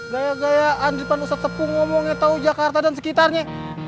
gaya gaya andri panusat sepu ngomongnya tau jakarta dan sekitarnya